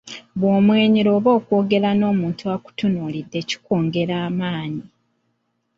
Bw’omwenyera oba okwogera n’omuntu akutunuulidde kikwongera amaanyi.